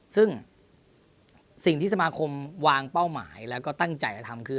ซึ่งสิ่งที่สมาคมวางเป้าหมายแล้วก็ตั้งใจจะทำคือ